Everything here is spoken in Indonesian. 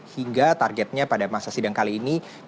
hingga targetnya pada masa sidang kali ini bisa diberikan kepada dpr